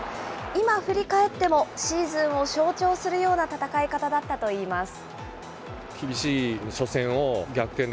今、振り返っても、シーズンを象徴するような戦い方だったといいます。